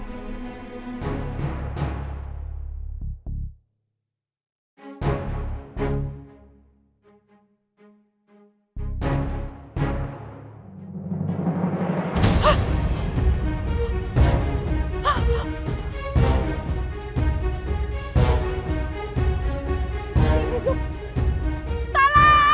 di masa kini maksudnya bella sudah nembak